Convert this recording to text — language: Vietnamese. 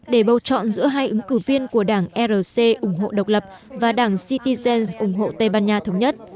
để bầu chọn giữa hai ứng cử viên của đảng rc ủng hộ độc lập và đảng citygen ủng hộ tây ban nha thống nhất